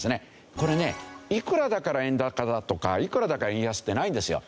これねいくらだから円高だとかいくらだから円安ってないんですよ。